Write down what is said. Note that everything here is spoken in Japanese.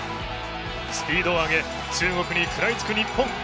スピードを上げ、中国に食らいつく日本。